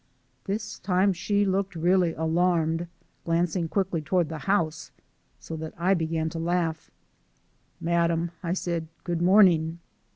This time she looked really alarmed, glancing quickly toward the house, so that I began to laugh. "Madam," I said, "good morning!"